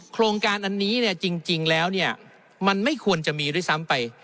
โครงการอันนี้จริงแล้วมันไม่ควรจะมีด้วยซ้ำไป